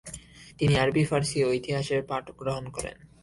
তিনি আরবি ফারসি ও ইতিহাসের পাঠগ্রহণ করেন।